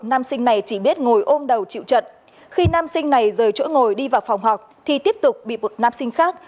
nam sinh này chỉ biết ngồi ôm đầu chịu trận khi nam sinh này rời chỗ ngồi đi vào phòng học thì tiếp tục bị một nam sinh khác